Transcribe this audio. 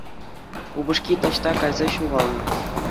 Упӑшки таҫта кайса ҫухалнӑ.